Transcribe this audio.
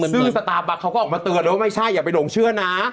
ชื่อสตาร์บั๊กเขาก็ออกมาเตือนแล้วว่าไม่ใช่อย่าไปหลงเชื่อนะ